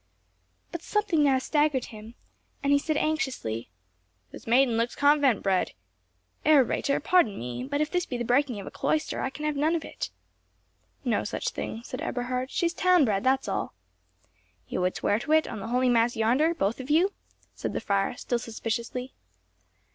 But something now staggered him, and he said anxiously— "This maiden looks convent bred! Herr Reiter, pardon me; but if this be the breaking of a cloister, I can have none of it." "No such thing," said Eberhard; "she is town bred, that is all." "You would swear to it, on the holy mass yonder, both of you?" said the friar, still suspiciously.